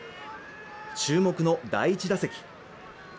注目の第１打席。